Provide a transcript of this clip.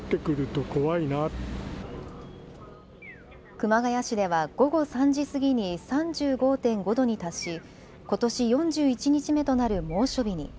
熊谷市では午後３時過ぎに３５．５度に達しことし４１日目となる猛暑日に。